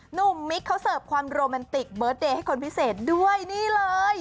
มิคเขาเสิร์ฟความโรแมนติกเบิร์ดเดย์ให้คนพิเศษด้วยนี่เลย